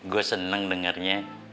gue seneng dengernya